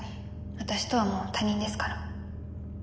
私とはもう他人ですから。